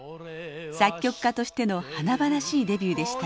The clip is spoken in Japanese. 作曲家としての華々しいデビューでした。